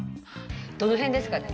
どの辺ですかね。